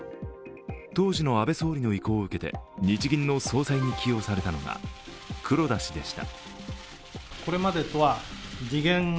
当時の安倍総理の意向を受けて日銀の総裁に起用されたのが黒田氏でした。